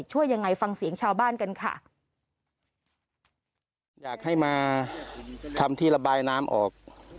ช่วยยังไงฟังเสียงชาวบ้านกันค่ะอยากให้มาทำที่ระบายน้ำออก